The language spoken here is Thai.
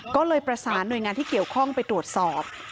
ก็เลยประสานหน่วยงานที่เกี่ยวข้องไปตรวจสอบ